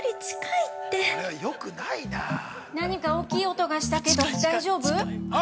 ◆なにか大きい音がしたけど大丈夫？